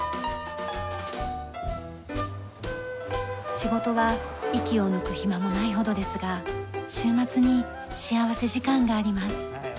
仕事は息を抜く暇もないほどですが週末に幸福時間があります。